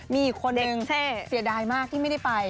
มีอีกคนนึงเสียดายมากที่ไม่ได้ไป